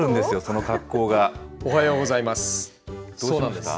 そうなんです。